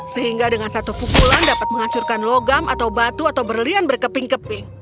sehingga dengan satu pukulan dapat menghancurkan logam atau batu atau berlian berkeping keping